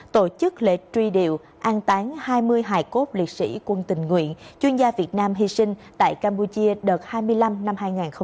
tổ chức lễ truy điệu an tán hai mươi hai cốt liệt sĩ quân tình nguyện chuyên gia việt nam hy sinh tại campuchia đợt hai mươi năm năm hai nghìn hai mươi hai